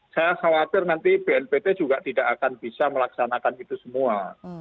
saya khawatir nanti bnpt juga tidak akan bisa melaksanakan itu semua